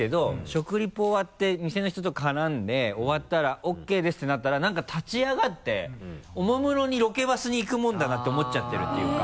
食リポ終わって店の人と絡んで終わったら「ＯＫです」ってなったらなんか立ち上がっておもむろにロケバスに行くもんだなって思っちゃってるっていうか。